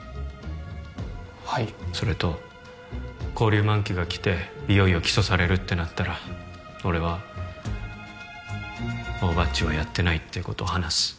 はいそれと勾留満期がきていよいよ起訴されるってなったら俺は大庭っちはやってないっていうことを話す